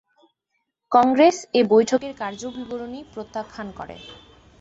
কংগ্রেস এ বৈঠকের কার্যবিবরণী প্রত্যাখ্যান করে।